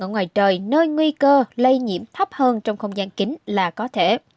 ở ngoài trời nơi nguy cơ lây nhiễm thấp hơn trong không gian kính là có thể